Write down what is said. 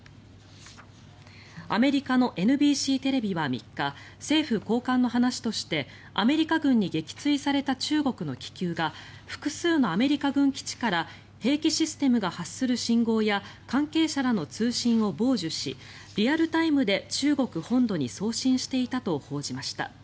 アメリカのＮＢＣテレビは３日政府高官の話としてアメリカ軍に撃墜された中国の気球が複数のアメリカ軍基地から兵器システムが発する信号や関係者らの通信を傍受しリアルタイムで中国本土に送信していたと報じました。